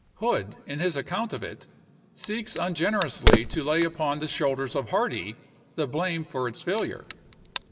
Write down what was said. Hood, in his account of it, seeks ungenerously to lay upon the shoulders of Hardee the blame for its failure.